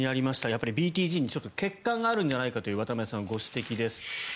やっぱりＢＴＧに欠陥があるんじゃないかという渡部さんのご指摘です。